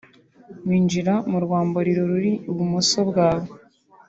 winjira mu rwambariro ruri ibumoso bwawe